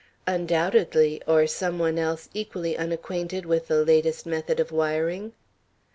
"Undoubtedly, or some one else equally unacquainted with the latest method of wiring."